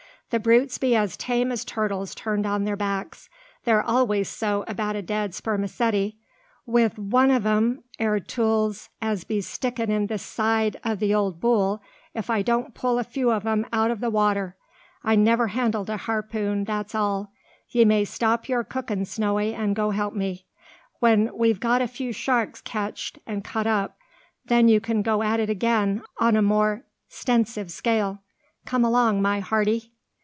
The brutes be as tame as turtles turned on their backs. They're always so about a dead spermacety. Wi' one o' them ere tools as be stickin' in the side o' the old bull, if I don't pull a few o' them out o' water, I never handled a harpoon, that's all. Ye may stop your cookin' Snowy, an' go help me. When we've got a few sharks catched an' cut up, then you can go at it again on a more 'stensive scale. Come along, my hearty!"